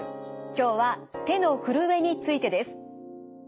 今日は手のふるえについてです。